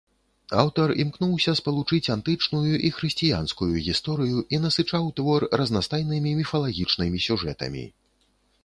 Аўтар імкнуўся спалучыць антычную і хрысціянскую гісторыю і насычаў твор разнастайнымі міфалагічнымі сюжэтамі.